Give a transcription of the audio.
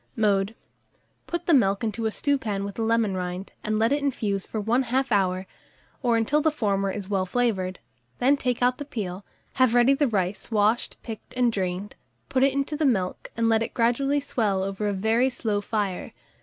Mode. Put the milk into a stewpan with the lemon rind, and let it infuse for 1/2 hour, or until the former is well flavoured; then take out the peel; have ready the rice washed, picked, and drained; put it into the milk, and let it gradually swell over a very slow fire.